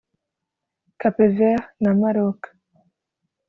Cape Vert na Maroc